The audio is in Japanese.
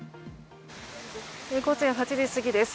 午前８時過ぎです。